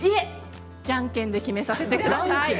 じゃんけんで決めさせてください。